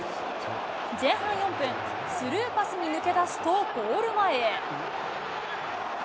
前半４分、スルーパスに抜け出すと、ゴール前へ。